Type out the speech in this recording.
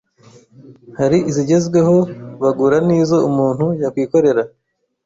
hari izigezweho bagura n’izo umuntu yakwikorera